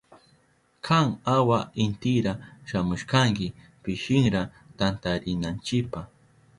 Kan awa intira shamushkanki pishinra tantarinanchipa.